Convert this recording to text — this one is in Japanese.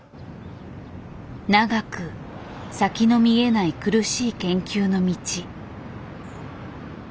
長く先の見えない苦しい研究の道。